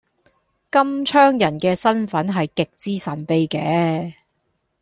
金槍人嘅身份係極之神秘嘅